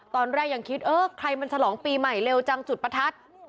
ตอนแรกยังคิดเออใครมันฉลองปีใหม่เร็วจังจุดประทัด